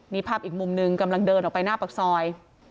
นี่ภาพอีกมุมหนึ่งกำลังเดินออกไปหน้าปากซอย